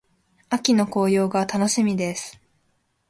秋の紅葉が楽しみです。